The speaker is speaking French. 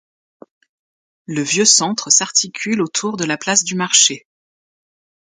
Le vieux centre s'articule autour de la place du marché.